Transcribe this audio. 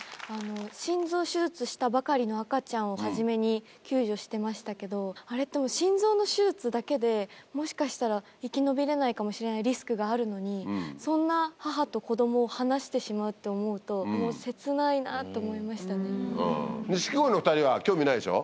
心臓手術をしたばかりの赤ちゃんを初めに救助してましたけど、あれってもう、心臓の手術だけで、もしかしたら生き延びれないかもしれないリスクがあるのに、そんな母と子どもを離してしまうって思うと、もう切ないなって思錦鯉の２人は興味ないでしょ？